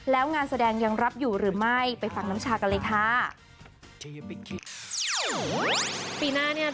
แล้วงานแสดงยังรับอยู่หรือไม่